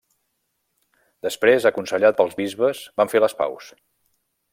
Després aconsellat pels bisbes, van fer les paus.